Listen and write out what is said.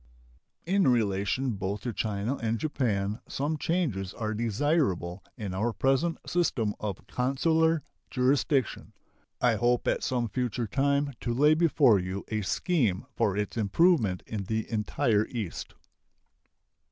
In relation both to China and Japan some changes are desirable in our present system of consular jurisdiction. I hope at some future time to lay before you a scheme for its improvement in the entire East.